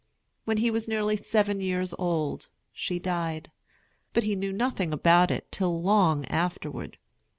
When he was nearly seven years old she died; but he knew nothing about it till long afterward.